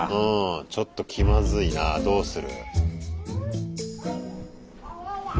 ちょっと気まずいなあどうする？